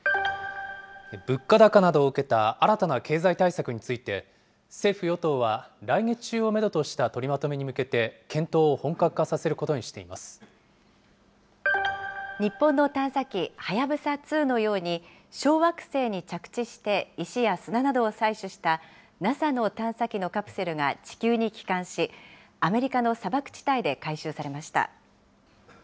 物価高などを受けた新たな経済対策について、政府・与党は来月中をメドとした取りまとめに向けて検討を本格化日本の探査機はやぶさ２のように、小惑星に着地して石や砂などを採取した、ＮＡＳＡの探査機のカプセルが地球に帰還し、アメリカの砂漠地帯で回収されました。